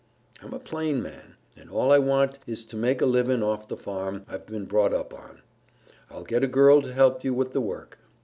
I'm a plain man, and all I want is to make a livin' off the farm I've been brought up on. I'll get a girl to help you with the work.